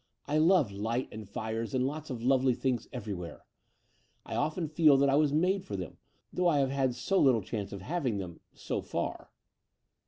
'' I love light and fires and lots of lovely things everywhere. I often fed that I was made for them, though I have had so little chance of having them — so far."